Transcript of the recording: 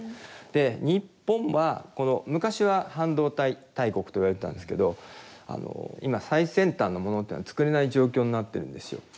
で日本は昔は半導体大国といわれてたんですけど今最先端のものというのは作れない状況になってるんですよ。